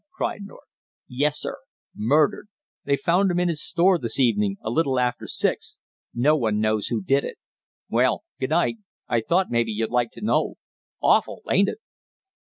cried North. "Yes, sir, murdered! They found him in his store this evening a little after six. No one knows who did it. Well, good night, I thought maybe you'd like to know. Awful, ain't it?"